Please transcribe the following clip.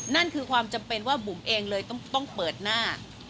นั่นคือความจำเป็นว่าบุ๋มเองเลยต้องเปิดหน้า